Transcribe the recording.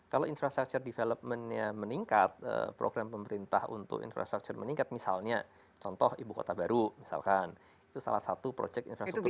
kalau infrastruktur developmentnya meningkat program pemerintah untuk infrastruktur meningkat misalnya contoh ibu kota baru misalkan itu salah satu proyek infrastruktur